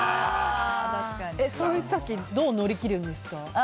そういう時どう乗り切るんですか？